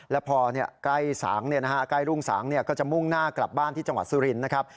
แล้วพอใกล้สางใกล้รุ่งสางก็จะมุ่งหน้ากลับบ้านที่จังหวัดสุรินทร์นะครับ